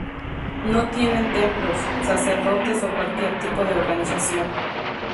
No tienen templos, sacerdotes o cualquier tipo de organización.